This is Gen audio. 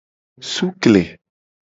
Sukle.